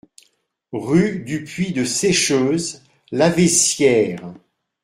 Rue du Puy de Seycheuse, Laveissière